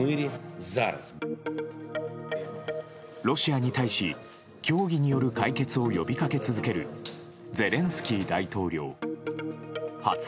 ロシアに対し協議による解決を呼びかけ続けるゼレンスキー大統領。